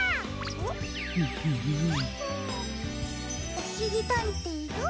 おしりたんていさん？